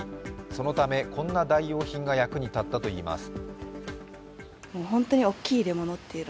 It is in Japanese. そのため、こんな代用品が役に立ったといいます。